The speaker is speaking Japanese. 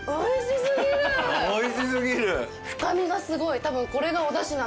おいしすぎる？